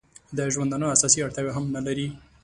د ژوندانه اساسي اړتیاوې هم نه لري.